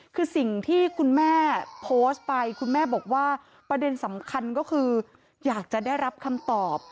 คือสิ่งที่คุณแม่โพสต์ไปคุณแม่บอกว่าประเด็นสำคัญก็คืออยากจะได้รับคำตอบ